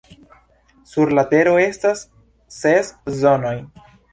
Sur la Tero estas ses Zonoj.